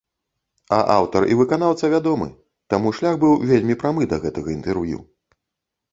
А аўтар і выканаўца вядомы, таму шлях быў вельмі прамы да гэтага інтэрв'ю.